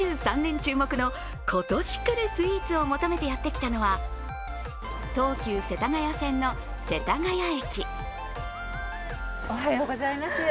注目の、今年来るスイーツを求めてやってきたのは、東急世田谷線の世田谷駅。